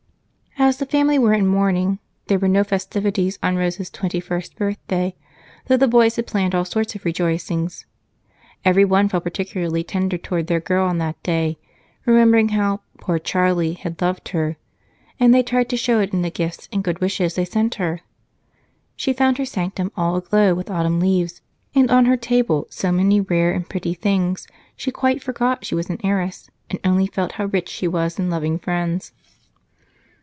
As the family were in mourning, there were no festivities on Rose's twenty first birthday, though the boys had planned all sorts of rejoicings. Everyone felt particularly tender toward their girl on that day, remembering how "poor Charlie" had loved her, and they tried to show it in the gifts and good wishes they sent her. She found her sanctum all aglow with autumn leaves, and on her table so many rare and pretty things, she quite forgot she was an heiress and only felt how rich she was in loving friends.